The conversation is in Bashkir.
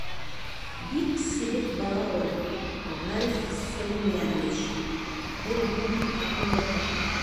-Бик сибек бала ул, Ғариф Сәлимйәновч, бер йүнһеҙ ҡатындыҡы.